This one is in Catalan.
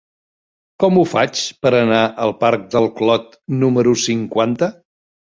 Com ho faig per anar al parc del Clot número cinquanta?